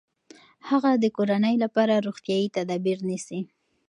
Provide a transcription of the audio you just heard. هغه د کورنۍ لپاره روغتیايي تدابیر نیسي.